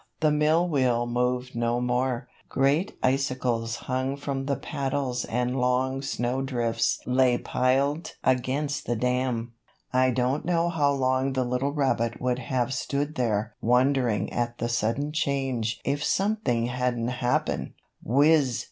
The mill wheel moved no more; great icicles hung from the paddles and long snowdrifts lay piled against the dam. I don't know how long the little rabbit would have stood there wondering at the sudden change if something hadn't happened. Whiz!